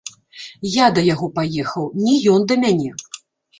Я да яго паехаў, не ён да мяне!